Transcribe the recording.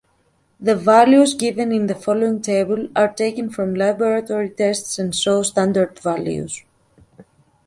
The values given in the following table are taken from laboratory tests and show standard values.